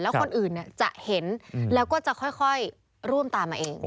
คนอื่นจะเห็นแล้วก็จะค่อยร่วมตามมาเอง